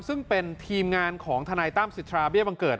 ซึ่งเป็นทีมงานของทนายตั้มสิทธาเบี้ยบังเกิด